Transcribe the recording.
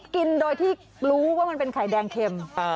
กินโดยที่รู้ว่ามันเป็นไข่แดงเข็ม